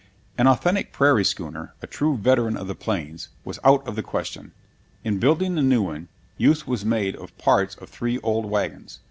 An authentic prairie schooner, a true veteran of the Plains, was out of the question. In building the new one, use was made of parts of three old wagons.